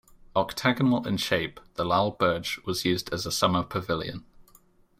Octagonal in shape, the Lal Burj was used as a summer pavilion.